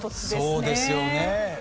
そうですよね。